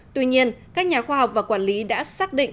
tuy nhiên các nhà khoa học và quản lý đã xác định